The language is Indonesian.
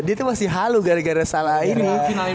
dia tuh masih halu gara gara salah ini